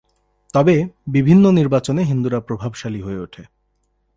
তবে, বিভিন্ন নির্বাচনে হিন্দুরা প্রভাবশালী হয়ে ওঠে।